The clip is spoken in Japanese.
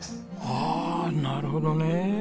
ああなるほどね。